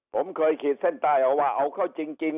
ผมเคยขีดเส้นใต้เอาว่าเอาเข้าจริง